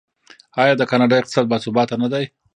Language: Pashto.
آیا د کاناډا اقتصاد باثباته نه دی؟